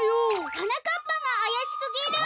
はなかっぱがあやしすぎる！